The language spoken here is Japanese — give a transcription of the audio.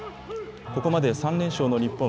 ここまで３連勝の日本。